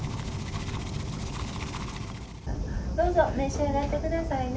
どうぞ召し上がってくださいね。